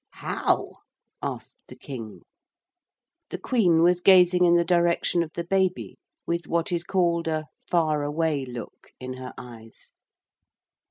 'How?' asked the King. The Queen was gazing in the direction of the baby with what is called a 'far away look' in her eyes.